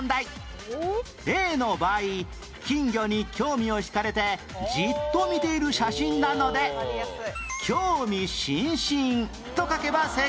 例の場合金魚に興味を引かれてじっと見ている写真なので「興味津々」と書けば正解です